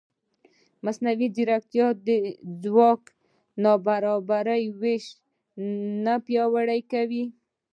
ایا مصنوعي ځیرکتیا د ځواک نابرابر وېش نه پیاوړی کوي؟